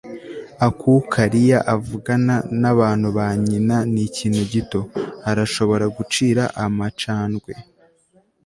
akukalia avugana nabantu ba nyina nikintu gito. arashobora gucira amacandwe